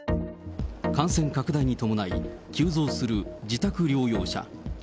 感染拡大に伴い、急増する自宅療養者。